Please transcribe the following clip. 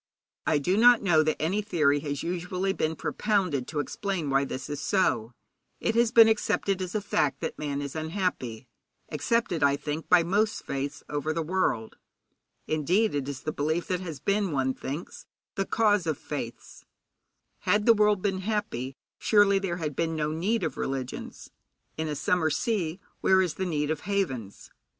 'I do not know that any theory has usually been propounded to explain why this is so. It has been accepted as a fact that man is unhappy, accepted, I think, by most faiths over the world. Indeed, it is the belief that has been, one thinks, the cause of faiths. Had the world been happy, surely there had been no need of religions. In a summer sea, where is the need of havens?